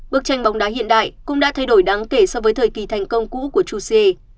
bức tranh bóng đá hiện đại cũng đã thay đổi đáng kể so với thời kỳ thành công cũ của chuse